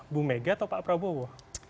bu mega atau pak prabowo